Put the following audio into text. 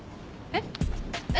えっ？